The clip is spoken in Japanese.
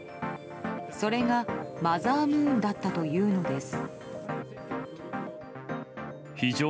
それが、マザームーンだったというのです。